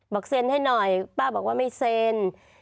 เซ็นให้หน่อยป้าบอกว่าไม่เซ็น